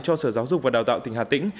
cho sở giáo dục và đào tạo tỉnh hà tĩnh